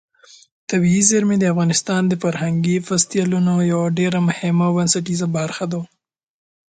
طبیعي زیرمې د افغانستان د فرهنګي فستیوالونو یوه ډېره مهمه او بنسټیزه برخه ده.